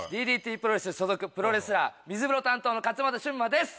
ＤＤＴプロレス所属プロレスラー水風呂担当の勝俣瞬馬です